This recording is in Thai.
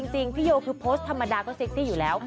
จริงพี่โยคือโพสต์ธรรมดาก็เซ็กซี่อยู่แล้ว